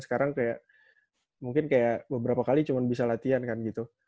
sekarang kayak mungkin kayak beberapa kali cuma bisa latihan kan gitu